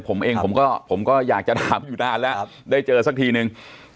ผมเองผมก็อยากจะถามอยู่นานแล้วได้เจอสักทีนึง